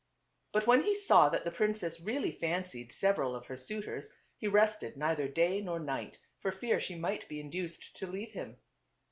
But when he saw that the princess really fancied several of her suitors, he rested neither day nor night for fear she might be induced to leave him.